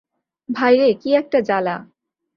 ভাইরে, কী একটা জ্বালা।